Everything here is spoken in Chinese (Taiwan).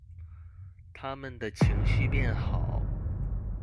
牠們的情緒變好